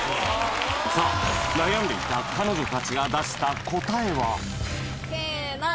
さあ悩んでいた彼女たちが出した答えは？